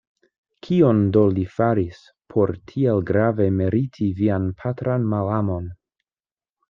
Kion do li faris, por tiel grave meriti vian patran malamon?